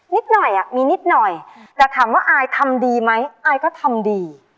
นิดหน่อยอ่ะมีนิดหน่อยแต่ถามว่าอายทำดีไหมอายก็ทำดี